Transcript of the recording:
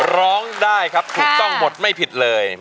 ร้องได้ครับถูกต้องหมดไม่ผิดเลย